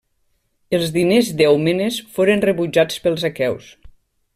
Els diners d'Èumenes foren rebutjats pels aqueus.